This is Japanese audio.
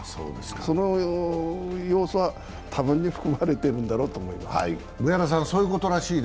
その様相は多分に含まれているんだろうと思います。